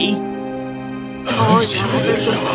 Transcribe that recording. oh ya ampun